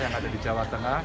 yang ada di jawa tengah